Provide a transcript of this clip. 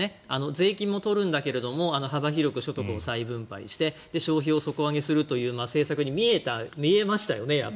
税金も取るんだけれども幅広く所得を再分配して消費を底上げするという政策に見えましたよね。